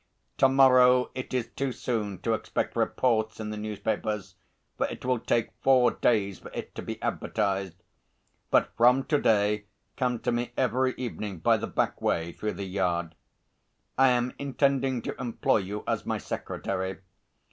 "To morrow it is too soon to expect reports in the newspapers, for it will take four days for it to be advertised. But from to day come to me every evening by the back way through the yard. I am intending to employ you as my secretary.